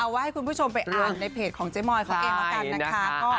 ว่าให้คุณผู้ชมไปอ่านในเพจของเจ๊มอยเขาเองแล้วกันนะคะ